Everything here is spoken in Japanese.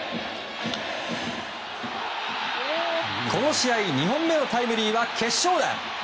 この試合２本目のタイムリーは決勝打。